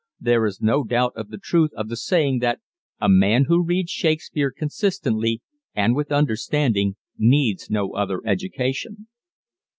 There is no doubt of the truth of the saying that a man who reads Shakespeare consistently and with understanding needs no other education.